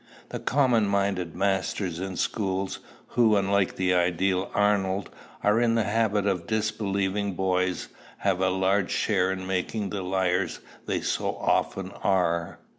The common minded masters in schools, who, unlike the ideal Arnold, are in the habit of disbelieving boys, have a large share in making the liars they so often are.